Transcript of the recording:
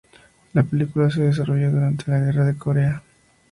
La película se desarrolla durante la Guerra de Corea.